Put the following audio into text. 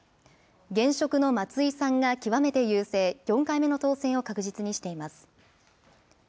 現職の松井さんが極めて優勢、４回目の当選を確実にしています。